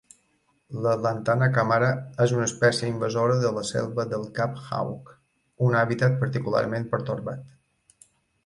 La "lantana camara" és una espècie invasora de la selva del Cap Hawke, un hàbitat particularment pertorbat.